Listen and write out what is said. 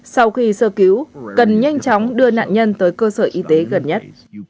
sau khi sơ cứu cần nhanh chóng đưa nạn nhân tới cơ sở y tế gần nhất